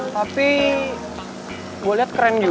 tapi gue lihat keren juga